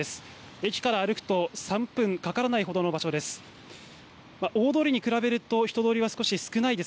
駅から歩くと３分かからないほどの場所です。